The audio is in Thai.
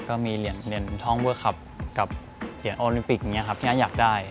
ก็มีเหรียญทองเวอร์คลับกับเหรียญโอลิมปิกอย่างนี้ครับพี่อ้าอยากได้